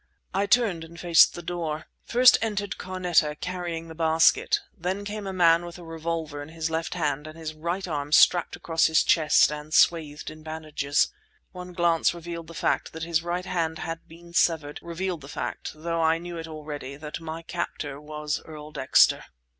I turned and faced the door. First entered Carneta, carrying the basket; then came a man with a revolver in his left hand and his right arm strapped across his chest and swathed in bandages. One glance revealed the fact that his right hand had been severed—revealed the fact, though I knew it already, that my captor was Earl Dexter.